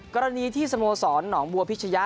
กรณีที่สโมสรหนองบัวพิชยะ